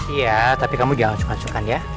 iya tapi kamu jangan sungkan sungkan ya